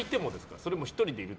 それとも１人でいる時？